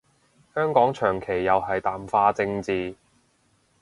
香港長期又係淡化政治